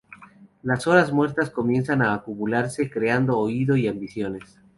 Las horas muertas comienzan a acumularse creando odio y ambiciones.